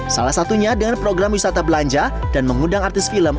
salah satunya dengan program wisata belanja dan mengundang artis film